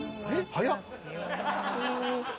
早っ。